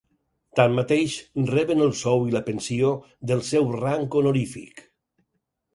Tanmateix, reben el sou i la pensió del seu rang honorífic.